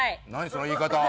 その言い方。